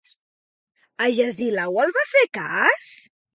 Agesilau el va fer cas?